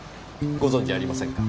ご存じありませんか？